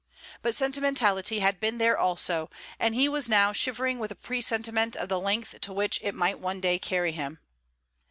But sentimentality had been there also, and he was now shivering with a presentiment of the length to which it might one day carry him.